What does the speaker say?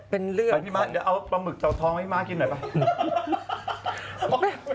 ไปพี่มาเอาปลาหมึกเจ้าทองให้พี่มากินหน่อยไป